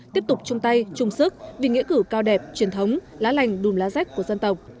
tiếp tục chung tay chung sức vì nghĩa cử cao đẹp truyền thống lá lành đùm lá rách của dân tộc